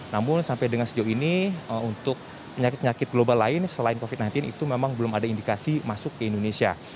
namun sampai dengan sejauh ini untuk penyakit penyakit global lain selain covid sembilan belas itu memang belum ada indikasi masuk ke indonesia